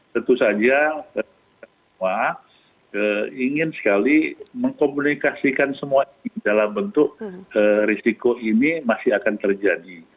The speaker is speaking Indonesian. tentu saja kita semua ingin sekali mengkomunikasikan semua ini dalam bentuk risiko ini masih akan terjadi